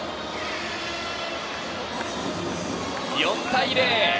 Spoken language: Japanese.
４対０。